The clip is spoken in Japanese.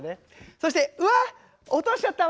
そして「うわ落としちゃったわ」。